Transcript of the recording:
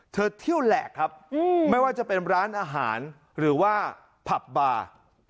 เที่ยวแหลกครับไม่ว่าจะเป็นร้านอาหารหรือว่าผับบาร์